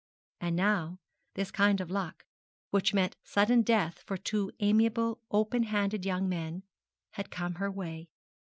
And now this kind of luck, which meant sudden death for two amiable, open handed young men, had come her way.